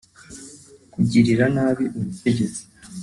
kugirira nabi ubutegetsi